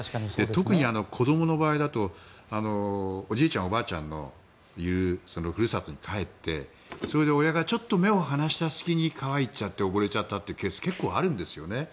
特に子どもの場合だとおじいちゃん、おばあちゃんのいるふるさとに帰って、それで親がちょっと目を離した隙に川へ行っちゃって溺れちゃったっていうケースが結構あるんですよね。